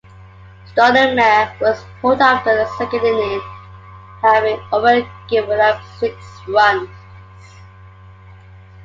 Stottlemyre was pulled after the second inning, having already given up six runs.